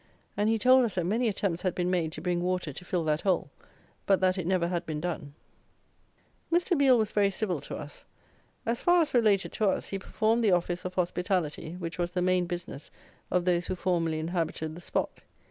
And he told us that many attempts had been made to bring water to fill that hole, but that it never had been done. Mr. Biel was very civil to us. As far as related to us, he performed the office of hospitality, which was the main business of those who formerly inhabited the spot.